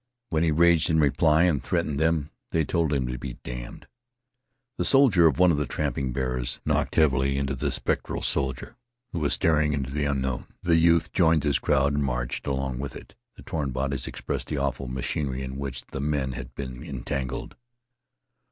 When he raged in reply and threatened them, they told him to be damned. The shoulder of one of the tramping bearers knocked heavily against the spectral soldier who was staring into the unknown. The youth joined this crowd and marched along with it. The torn bodies expressed the awful machinery in which the men had been entangled.